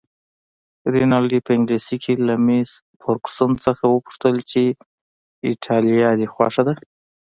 رینالډي په انګلیسي کې له مس فرګوسن څخه وپوښتل چې ایټالیه دې خوښه ده؟